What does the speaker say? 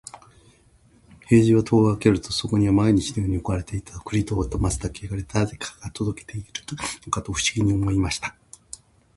兵十が戸を開けると、そこには毎日のように置かれていた栗と松茸があり、誰が届けているのかと不思議に思いました。